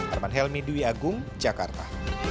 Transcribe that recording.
arman helmi dwi agung jakarta